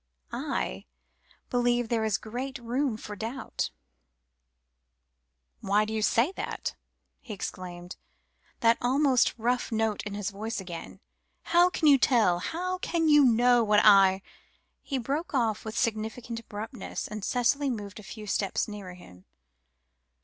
I believe there is great room for doubt." "Why do you say that?" he exclaimed, that almost rough note in his voice again. "How can you tell, how can you know, what I " He broke off with significant abruptness, and Cicely moved a few steps nearer to him.